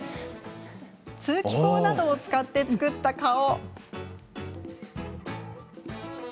通気口などを使って作った顔。